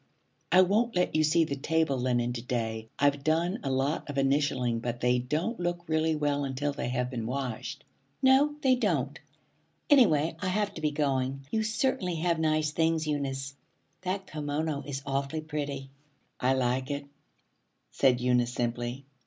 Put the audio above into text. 'I won't let you see the table linen to day. I've done a lot of initialing, but they don't look really well until they have been washed.' 'No, they don't. Anyway I have to be going. You certainly have nice things, Eunice. That kimono is awfully pretty.' 'I like it,' said Eunice simply.